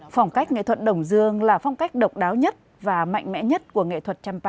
phong cách nghệ thuật đồng dương là phong cách độc đáo nhất và mạnh mẽ nhất của nghệ thuật champa